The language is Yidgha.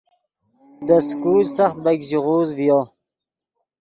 دے سکول سخت بیګ ژیغوز ڤیو